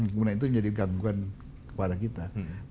kemudian itu menjadi gangguan kepada kita